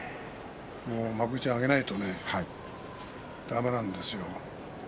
幕内に上げないとだめなんですよ。